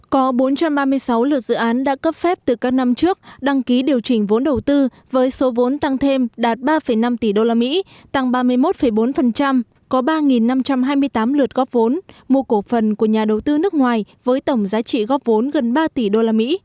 có bốn trăm ba mươi sáu lượt dự án đã cấp phép từ các năm trước đăng ký điều chỉnh vốn đầu tư với số vốn tăng thêm đạt ba năm tỷ usd tăng ba mươi một bốn có ba năm trăm hai mươi tám lượt góp vốn mua cổ phần của nhà đầu tư nước ngoài với tổng giá trị góp vốn gần ba tỷ usd